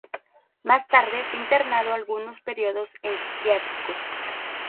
Más tarde fue internado algunos periodos en psiquiátricos.